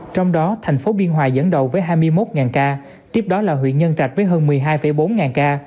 trong đó thành phố biên hòa dẫn đầu với hai mươi một ca tiếp đó là huyện nhân trạch với hơn một mươi hai bốn ca